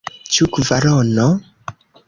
Ĉu kvarono?